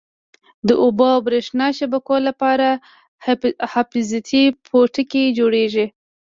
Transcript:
د اوبو او بریښنا شبکو لپاره حفاظتي پوټکی جوړیږي.